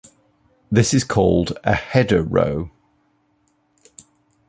This is called a "header row".